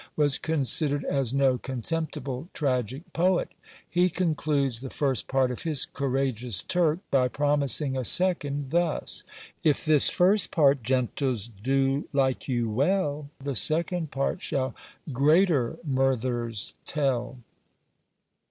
was considered as no contemptible tragic poet: he concludes the first part of his Courageous Turk, by promising a second, thus: If this first part, gentles! do like you well, The second part shall greater murthers tell.